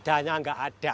danya enggak ada